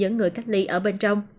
người cách lị ở bên trong